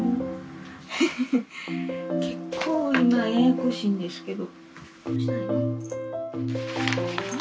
ヘヘヘッ結構今ややこしいんですけど。